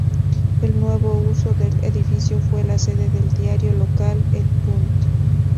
El nuevo uso del edificio fue la sede del diario local El Punt.